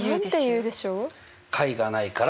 解がないから。